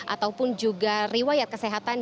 atau pun juga riwayat kesehatan